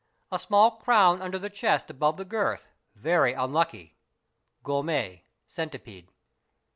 A small crown under the chest above the girth, very unlucky, (gome=centipede).